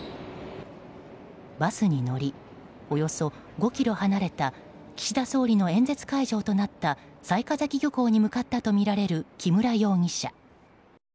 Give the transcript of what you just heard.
バスに乗りおよそ５ｋｍ離れた岸田総理の演説会場となった雑賀崎漁港に向かったとみられる木村容疑者。